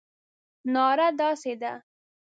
ناره داسې ده.